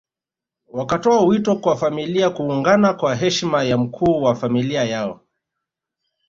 Wakatoa wito kwa familia kuungana kwa heshima ya mkuu wa familia yao